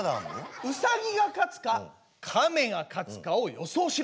ウサギが勝つかカメが勝つかを予想しろ。